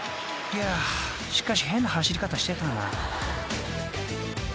［しかし変な走り方してたな］